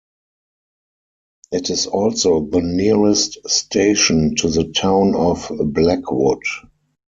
It is also the nearest station to the town of Blackwood.